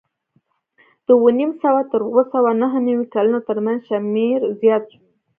د اوه نیم سوه تر اوه سوه نهه نوې کلونو ترمنځ شمېر زیات شو